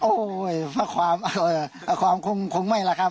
โอ้โฮภาคความเออภาคความคงไม่ละครับ